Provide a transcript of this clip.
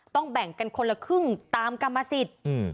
แบ่งกันคนละครึ่งตามกรรมสิทธิ์